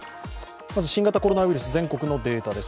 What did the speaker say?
まず新型コロナウイルス全国のデータです。